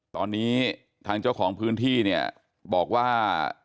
ตอนนี้ทางเจ้าของพื้นที่เนี่ยบอกว่า